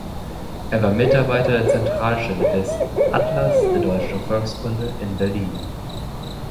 Er war Mitarbeiter der Zentralstelle des "Atlas der deutschen Volkskunde" in Berlin.